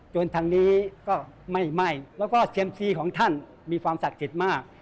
ทางนี้ก็ไหม้แล้วก็เซียมซีของท่านมีความศักดิ์สิทธิ์มาก